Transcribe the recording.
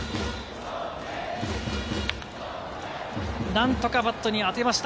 何とかバットに当てました。